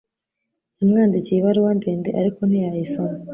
Yamwandikiye ibaruwa ndende ariko ntiyayisoma